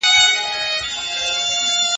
پښتو لنډۍ !